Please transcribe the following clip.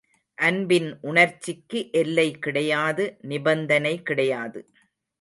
அன்பின் உணர்ச்சிக்கு எல்லை கிடையாது நிபந்தனை கிடையாது.